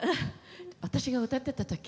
私が歌ってたとき。